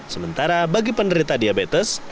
sementara bagi penderita diabetes